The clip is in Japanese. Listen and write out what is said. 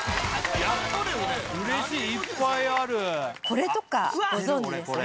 これとかご存じですか？